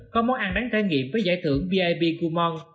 có món ăn đáng trải nghiệm với giải thưởng vip kumon